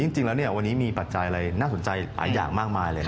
จริงแล้ววันนี้มีปัจจัยอะไรน่าสนใจหลายอย่างมากมายเลย